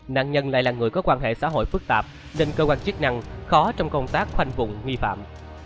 nạn nhân lại là người có quan hệ xã hội phức tạp nên cơ quan chức năng khó trong công tác khoanh vùng nghi phạm